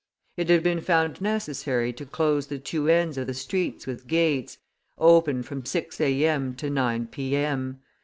It had been found necessary to close the two ends of the street with gates, open from six A. M. to nine P. M.